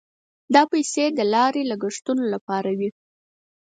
دا پیسې د لارې د لګښتونو لپاره وې.